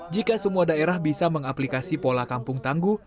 jika semua daerah bisa mengaplikasi pola kampung tangguh